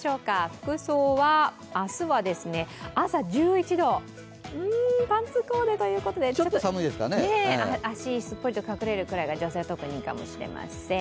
服装は、明日は朝１１時、パンツコーデということで足、すっぽり隠れるくらいが女性は特にいいかもしれません。